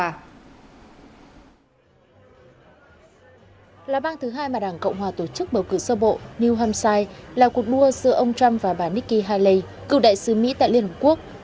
là bang thứ hai mà đảng cộng hòa tổ chức bầu cử sơ bộ new hampshire là cuộc đua giữa ông trump và bà nikki haley cựu đại sứ mỹ tại liên hợp quốc